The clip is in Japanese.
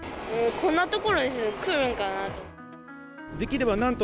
こんな所に来るんかなと。